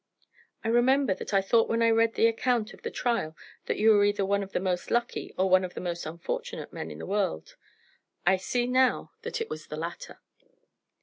"I remember that I thought when I read the account of that trial that you were either one of the most lucky or one of the most unfortunate men in the world. I see now that it was the latter."